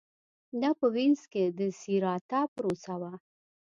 دا په وینز کې د سېراتا پروسه وه